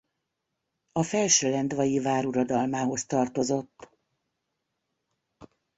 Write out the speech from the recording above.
A felsőlendvai vár uradalmához tartozott.